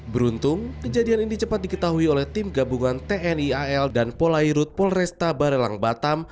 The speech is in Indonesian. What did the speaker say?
beruntung kejadian ini cepat diketahui oleh tim gabungan tni al dan polairut polresta barelang batam